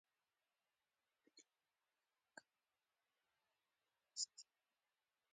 ایرلنډ ته کارګو بار د هوا له لارې ځي.